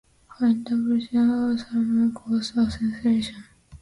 Her interpretation of Salome caused a sensation.